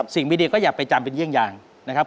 สิ่งดีก็อยากไปจำเป็นเยี่ยงนะครับ